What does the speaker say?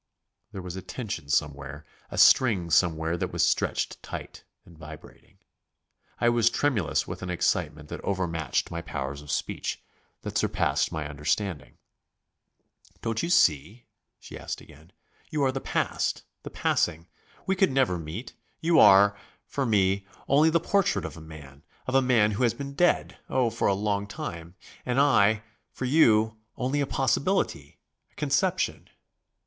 There was a tension somewhere, a string somewhere that was stretched tight and vibrating. I was tremulous with an excitement that overmastered my powers of speech, that surpassed my understanding. "Don't you see ..." she asked again, "you are the past the passing. We could never meet. You are ... for me ... only the portrait of a man of a man who has been dead oh, a long time; and I, for you, only a possibility ... a conception....